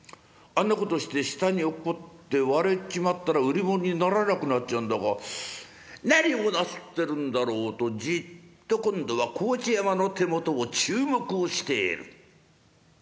あんなことをして下に落っこって割れちまったら売りもんにならなくなっちゃうんだが何をなすってるんだろう」とじっと今度は河内山の手元を注目をしてる。